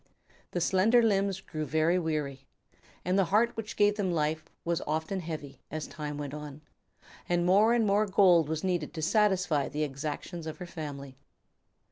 The slender limbs grew very weary, and the heart which gave them life was often heavy, as time went on, and more and more gold was needed to satisfy the exactions of her family.